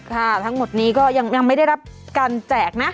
ทั้งหมดนี้ก็ยังไม่ได้รับการแจกนะ